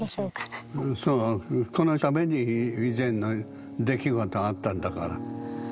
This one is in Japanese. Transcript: このために以前の出来事があったんだから。